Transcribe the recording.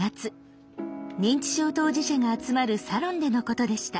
認知症当事者が集まるサロンでのことでした。